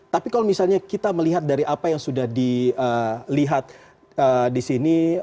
tapi kalau misalnya kita melihat dari apa yang sudah dilihat di sini